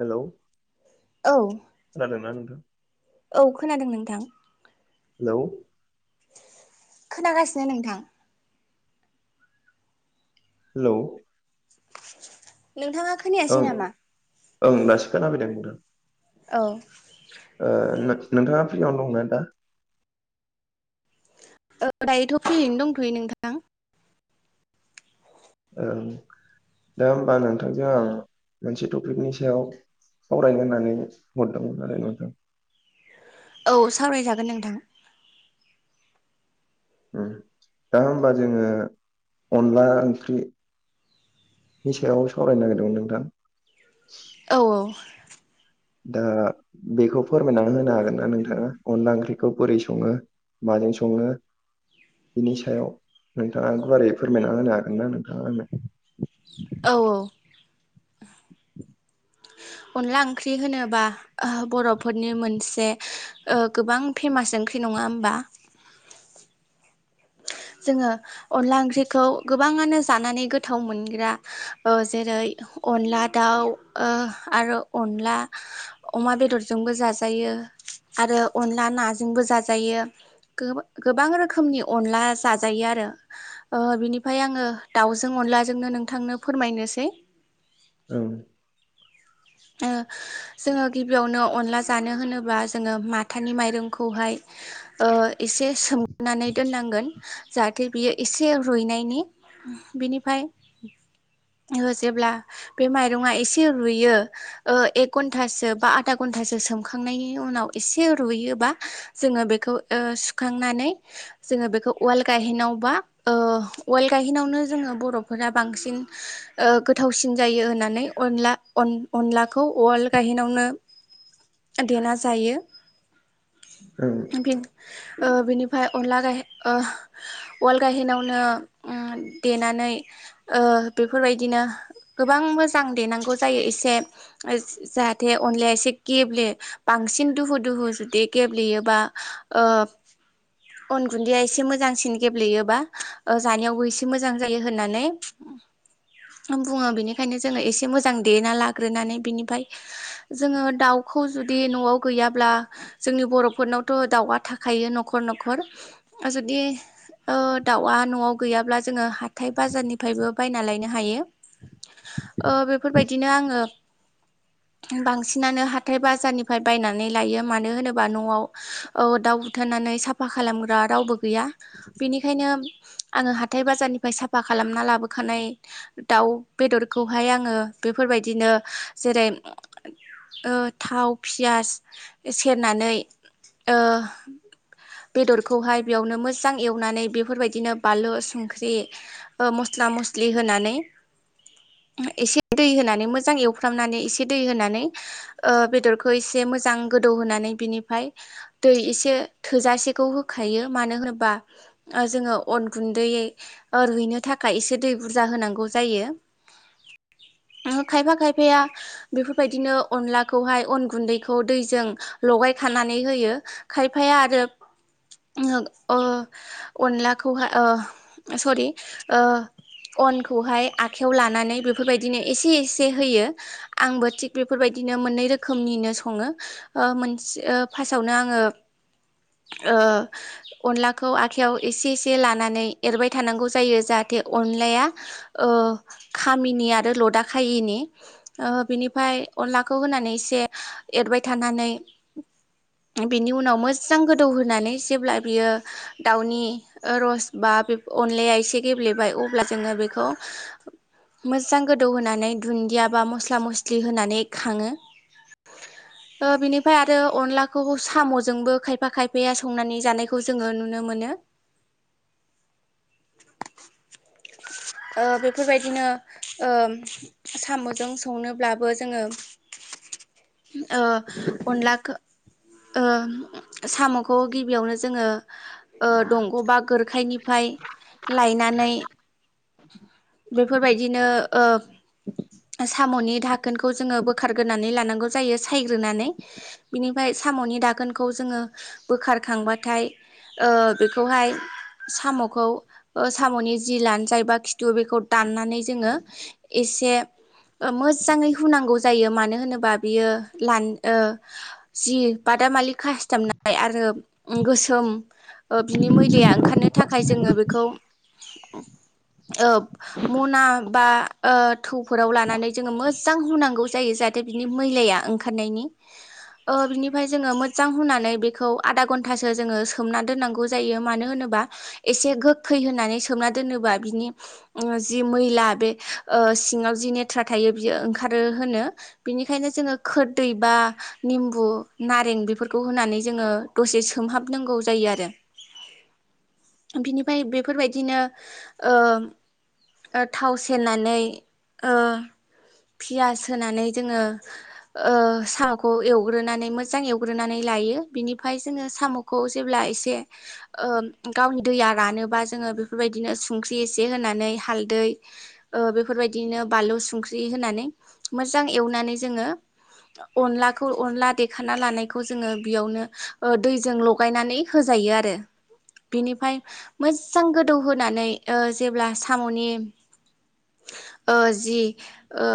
हेल'। औ। खोनादों ना नोंथां। औ खोनादों नोंथां। हेलौ। खोनागासिनो नोंथां। हेलौ। नोंथाङा ओं खोनायासै नामा। ओं दासो खोना फैदों नोंथां। औ। ओ नों-नोंथाङा फ्रियावनो दंना दा। दायोथ' फ्रियैनो दंथ'यो नोंथां। ओं दा होमबा नोंथांजों आं मोनसे टपिकनि सायाव। सावरायनो होननानै हरदोंमोन आरो नोंथां। औ सावरायजागोन नोंथां। दा होमबा जोङो अनला ओंख्रि नि सायाव सावरायनो नागिरदोंमोन नोंथां औ औ दा बेखौ फोरमायनानै होनो हागोन ना नोंथाङा अनला ओंख्रिखौ बोरै सङो माजों सङो बिनि सायाव नोंथाङा गुवारै फोरमायना होनो हागोन ना नोंथाङा आंनो औ औ अनला ओंख्रि होनोबा बर'फोरनि मोनसे गोबां फेमास ओंख्रि फि नङा होमबा [inaudible] जोङो अनला ओंख्रिखौ गोबाङानो जानानै गोथाव मोनग्रा जेरै अनला दाउ आरो अनला अमा बेदरजोंबो जाजायो आरो अनला नाजोंबो जाजायो गोबां रोखोमनि अनला जाजायो आरो बिनिफ्राय आङो दाउजों अनलाजोंनो नोंथांनो फोरमायनोसै औ ओ जोङो गिबियावनो अनला जानो होनोब्ला जोङो माथानि माइरंखौहाय एसे सोमनानै दोननांगोन जाहाथे बियो एसे रुइनायनि बिनिफ्राय [unintelligible] जेब्ला बे माइरङा एसे रुयो एक घन्टासो बा आदा घन्टासो सोमखांनायनि उनाव एसे रुयोबा जों [unintelligible] नावनो जोङो बर'फोरा बांसिन गोथावसिन जायो होननानै अनला अन अनलाखौ उवाल गायहावनो देना जायो ओं बेनो बिनिफ्राय अनला गाहे उवाल गायहेनावनो देनानै बेफोरबायदिनो गोबां मोजां देनांगौ जायो एसे जाहाथे अनलाया एसे गेब्ले बांसिन दुहु दुहु जुदि गेब्लेयोबा ओ अन गुन्दैया एसे मोजांसिन गेब्लेयोबा जानायावबो एसे मोजां जायो होननानै [inaudible] बुङो बेनिखायनो जोङो एसे मोजां देना ला रोनानै बिनि जोङो दाउखौ जुदि न'आव गै जोंनि बर'फोरन थ' दाउआ थाखायो न'खर न'खर आरो जुदि दाउआ न'आव गैयाब्ला जोङो हाथाय बाजारनिफ्रायबो बायना लायनो हायो बेफोरबायदिनो आङो [unintelligible] बांसिनानो हाथाय बाजारनिफ्राय बायनानै लायो मानो होनोबा न'आव दाउ थोननानै साफा खालामग्रा रावबो गैया बेनिखायनो आङो हाथाय बाजारनिफ्राय साफा खालामना लाबोखानाय दाउ बेदरखौहाय आङो बेफोरबाय बेबायदिनो जेरै थाव पियास सेरनानै ओ बेदरखौहाय बेयावनो मोजां एवनानै बेफोरबायदिनो बानलु संख्रि मस नानै म खालामनानै एसे दै होनानै बेदरखौ एसे मोजां गोदौ होनोनानै बिनिफ्राय दै एसे थोजासेखौ होखायो मानो होनोबा जोङो अन गुन्दैयै रुइनो थाखाय एसे दै बुरजा होनांगौ जायो [inaudible] आं खायफा खाय फाया बेफोरबायदिनो अनलाखौहाय अन गुन्दैखौ दैजों लगाय खानानै होयो खायफाया आरो [unintelligible] अनखौहाय आखाइायाव लानानै बेफोरबायदिनो एसे एसे होयो आंबो थिग बेफोरबायदिनो मोननै रोखोमनिनो सङो ओ मोनसे ओ फासावनो आङो [unintelligible] ओ अनलाखौ आखायाव एसे एसे लानानै एरबाय थानांगौ जायो जाहा- थे अनलाया ओ खामिनि आरो लदाखायिनि ओ बिनिफाय अनलाखौ होनानै एसे एरबाय थानानै बेनि उनाव मोजां गोदौहोनानै जेब्ला बियो दाउनि ओ रस बा अनलाया एसे गेब्लेबाय अब्ला जोङो बेखौ मोजां गोदौ होनानै दुन्दिया बा मस्ला मस्लि होनानै खाङो। ओ बिनिफाय आरो अनलाखौ साम'जोंबो खायफा खायफाया संनानै जानायखौ जोङो नुनो मोनो। ओ बेफोरबायदिनो ओ साम'जों संनोब्लाबो जोङो ओ अनलाखो ओ साम' खौ गिबियावनो जोङो ओ दंग' बा गोर खाइनिफ्राय लायनानै बेफोरबायदिनो ओ साम'नि धाखोनखौ जोङो बोखारग्रोनानै लानांगौ जायो सायग्रोनानै बिनिफ्राय साम'नि दाखोनखौ जोङो बोखारखांबाथाय ओ बेखौहाय साम'खौ ओ साम'नि जि लानजाइ बा खिथु बेखौ दान्नानै जोङो एसे ओ मोजाङै हुनांगौ जायो मानो होनोबा बियो लान ओ जि बादा मालि खास्थाबनाय आरो ओ गोसोम ओ बिनि मैलाया ओंखारनो थाखाय जोङो बिखौ ओ मना बा ओ थौफोराव लानानै जोङो मोजां हुनांगौ जायो जा हाथे बिनि मैलाया ओंखारनायनि। ओ बिनिफ्राय जोङो मोजां हुनानै बेखौ आधा घन्टासो जोङो सोमना दोननांगौ जायो मानो होनो बा एसे गोखै होनानै सोमना दोनोबा बिनि ओ जि मैला बे ओ सिङाव जि नेथ्रा थायो बियो ओंखारो होनो। बेनिखायनो जोङो खोरदै बा निम्बु नारें बेफोरखौ होनानै जोङो दसे सोमहाबनांगौ जायो आरो। बिनिफाय बेफोरबायदिनो ओ ओ थाव सेरनानै ओ पियास होनानै जोङो ओ साखौ एवग्रोनानै मोजां एवग्रोनानै लायो बिनिफाय जोङो साम'खौ जेब्ला एसे ओ गावनि दैया रानोबा जोङो बेफोरबायदिनो संख्रि इसे होनानै हालदै ओ बेफोरबायदिनो बानलु संख्रि होनानै मोजां मोजां एवनानै जोङो अनलाखौ अनला देखाना लानायखौ जोङो बेयावनो ओ दैजों लगायनानै होजायो। आरो बेनिफाय मोजां गोदौ होनानै ओ जेब्ला साम'नि ओ जि ओ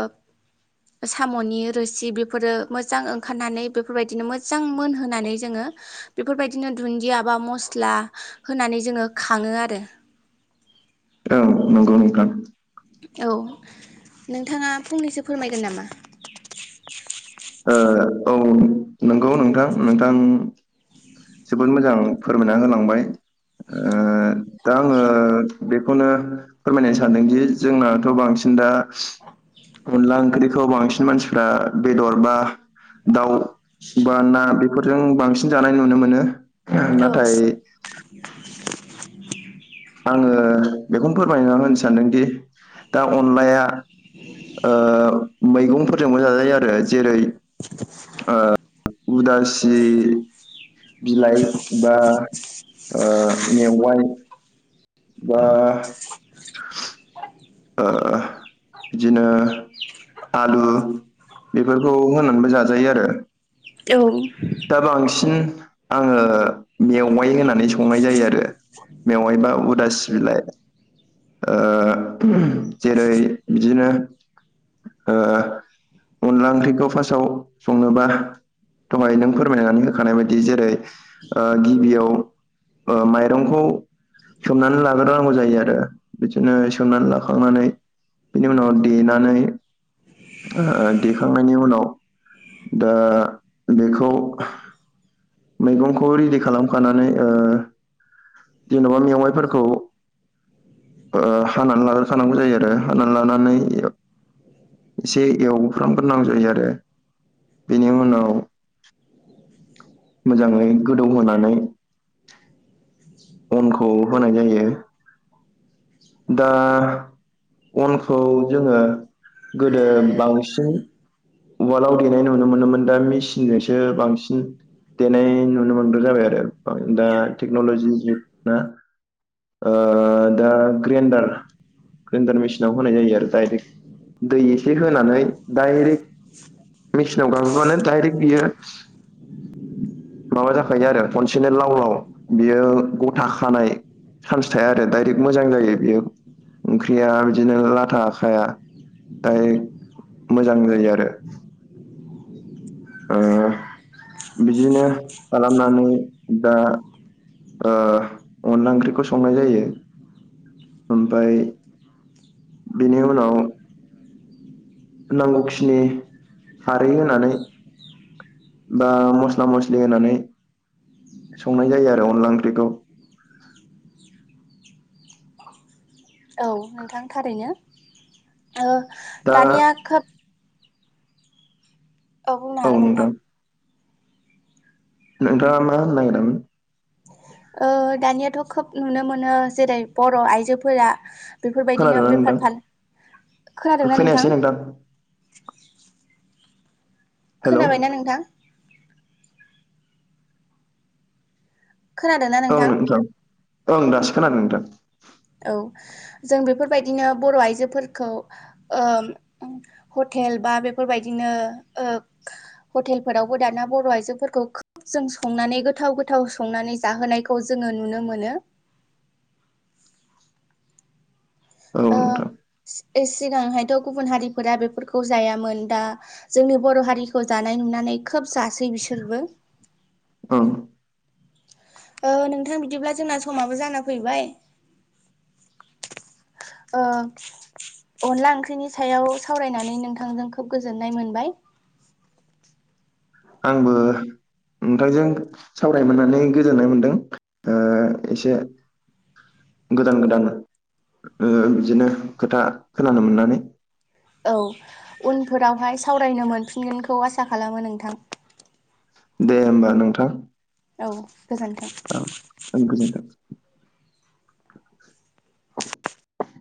साम'नि रोसि बेफोरो मोजां ओंखारनानै बेफोरबायदिनो मोजां मोनहोनानै जोङो बेफोरबायदिनो धुन्दिया बा मस्ला होनानै जोङो खाङो आरो। ओं नंगौ नोंथां। औ नोंथाङा फंनैसो फोरमायगोन नामा? ओ औ नंगौ नोंथां नोंथां जोबोद मोजां फोरमायना होलांबाय ओ दा आङो बेखौनो फोरमायनो सानदोंदि जोंनाथ' बांसिन दा अनला ओंख्रिखौ बांसिन मानसिफ्रा बेदर बा दाउ बा ना बेफोरजों बांसिन जानाय नुनो मोनो औ। नाथाय आङो बेखौनो फोरमायना होनो सानदोंदि दा अनलाया ओ मैगंफोरजोंबो जाजायो आरो जेरै ओ उदासि बिलाइ बा ओ मेवाइ बा ओ बिदिनो आलु बेफोरखौ होनानैबो जाजायो आरो। औ। दा बांसिन आङो मेवाइ होननानै संनाय जायो आरो मेवाइबा उदासि बिलाइ ओ जेरै बिदिनो ओ अनला ओंख्रिखौ फार्स्टआव संनोबा दहाय नों फोरमायनानै होखानाय बायदि जेरै ओ गिबियाव ओ माइरंखौ सोमनानै लाग्रोनांगौ जायो आरो बिदिनो सोमनानै लाखांनानै बेनि उनाव देनानै ओ देखांनायनि उनाव दा बेखौ मैगंखौ रेडि खालामखानानै ओ जेन'बा मेवाइफोरखौ ओ हानानै लाग्रोखानांगौ जायो आरो हानानै लानानै एसे एवफ्रामग्रोनांगौ जायो आरो बेनि उनाव मोजाङै गोदौ होनानै अनखौ होनाय जायो दा अनखौ जोङो गोदो बांसिन उवालआव देनाय नुनो मोनोमोन दा मेसिनजोंसो बांसिन देनाय नुनो मोनग्रा जाबाय आरो दा टेक्न'लजिनि जुग ना ओ दा ग्रेन्दार ग्रेन्दार मेसिनाव होनाय जायो आरो दायरेक्ट दै एसे होनानै दायरेक्ट मेचिनाव गाबोबानो दायरेक्ट बियो माबा जाखायो आरो खनसेनो लाव लाव बियो गथा खानाय चान्स थाया आरो दायरेक्ट मोजां जायो बेयो ओंख्रिया बिदिनो लाथा खाया खाय मोजां जायो आरो ओ बिदिनो खालामनानै दा ओ अनला ओंख्रिखौ संनाय जायो ओमफ्राय बिनि उनाव नांगौखिनि खारै होनानै बा मस्ला मस्लि होनानै संनाय जायो आरो अनला ओंख्रिखौ। औ नोंथां थारैनो ओ दा दानिया खोब औ नोंथां। नोंथाङा मा होन्नो नागिरामोन? ओ दानियाथ' खोब नुनो मोनो जेरै बर' आइजोफोरा बेफोरबायदिनो खोनादोंना नोंथां बेफार फाल खोनादोंना नोंथां? हेलौ खोनाबायना नोंथां? खोनादों ना नोंथां। ओं दासो खोनादों नोंथां। औ जों बेफोरबायदिनो बर आइजोफोरखौ ओ हटेल बा बेफोरबायदिनो ओ हटेलफोरावबो दाना बर आइजोफोरखौ खोब जों संनानै गोथाव गोथाव संनानै जाहोनायखौ जोङो नुनो मोनो। [inaudible] औ नोंथां। सि ओ सिगांहायथ गुबुन हारिफोरा बेफोरखौ जायामोन दा जोंनि बर हारिखौ जानाय नु नानै खोब जासै बिसोरबो। [inaudible] [unintelligible] ओ नोंथां बिदिब्ला जोंना समाबो जाना फैबाय [inaudible] ओ अनला ओंख्रिनि सायाव सावरायनानै नोंथांजों खोब गोजोननाय मोनबाय। आंबो नोंथांजों सावरायनो मोननानै गोजोननाय मोनदों ओ एसे गोदान गोदान ओ बिदिनो खोथा खोनानो मोननानै। औ उनफोरावहाय सावरायनो मोनफिनगोनखौ आसा खालामो नोंथां। दे होमबा नोंथां। औ गोजोनथों। औ गोजोनथों [unintelligible]